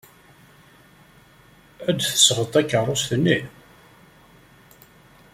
Ad d-tesɣeḍ takeṛṛust-nni?